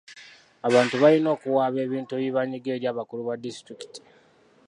Abantu balina okuwaaba ebintu ebibanyiga eri abakulu ba disitulikiti.